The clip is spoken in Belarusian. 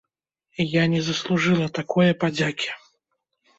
Я не заслужыла такое падзякі.